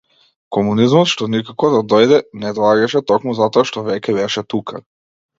Комунизмот што никако да дојде, не доаѓаше токму затоа што веќе беше тука.